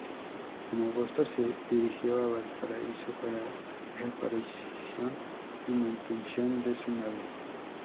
En agosto se dirigió a Valparaíso para reparación y mantención de su nave.